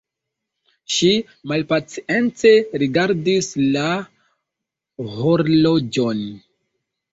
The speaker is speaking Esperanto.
Ŝi malpacience rigardis la horloĝon.